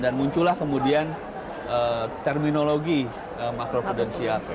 dan munculah kemudian terminologi macro prudensial